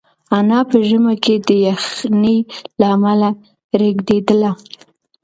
انا په ژمي کې د یخنۍ له امله رېږدېدله.